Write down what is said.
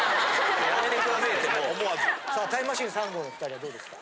さあタイムマシーン３号の２人はどうですか？